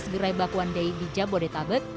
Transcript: gerai bakwan day di jabodetabek